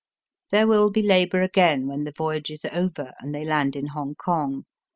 There will be labour again when the voyage is over and they land in Hongkong.